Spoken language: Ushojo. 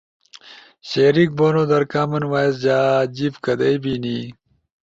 شریک بونو در، کامن وائس جا جیِب کدئی بینی؟